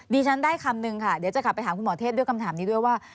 ฉันได้คำนึงค่ะเดี๋ยวจะกลับไปถามคุณหมอเทศด้วยคำถามนี้ด้วยว่า